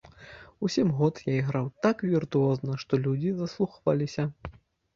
У сем год я іграў так віртуозна, што людзі заслухваліся.